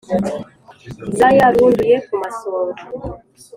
zayarunduye ku masonga;